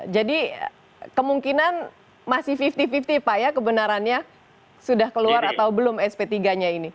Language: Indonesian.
jadi kemungkinan masih lima puluh lima puluh pak ya kebenarannya sudah keluar atau belum sp tiga nya ini